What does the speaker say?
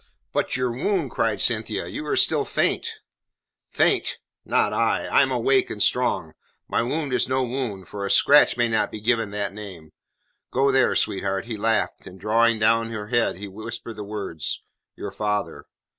"But your wound?" cried Cynthia. "You are still faint." "Faint! Not I. I am awake and strong. My wound is no wound, for a scratch may not be given that name. So there, sweetheart." He laughed, and drawing down her head, he whispered the words: "Your father."